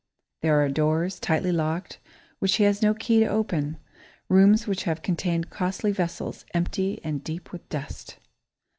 There are doors, tightly locked, which he has no key to open; rooms which have contained costly vessels, empty and deep with dust.